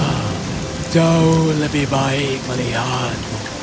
ah jauh lebih baik melihatmu